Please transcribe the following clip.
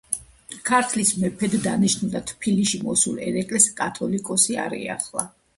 ქართლის მეფედ დანიშნულ და თბილისში მოსულ ერეკლეს კათოლიკოსი არ ეახლა.